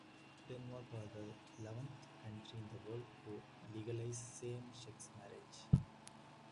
Denmark was the eleventh country in the world to legalize same-sex marriage.